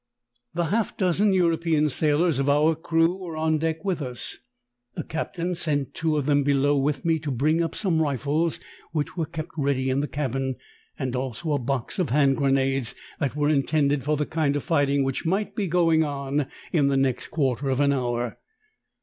"The half dozen European sailors of our crew were on deck with us. The captain sent two of them below with me to bring up some rifles which were kept ready in the cabin, and also a box of hand grenades that were intended for the kind of fighting which might be going on in the next quarter of an hour.